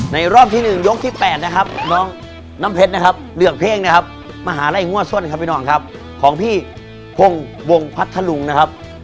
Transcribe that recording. รอบที่๑ยกที่๘นะครับน้องน้ำเพชรนะครับเลือกเพลงนะครับมหาลัยงั่วส้นครับพี่น้องครับของพี่พงวงพัทธลุงนะครับ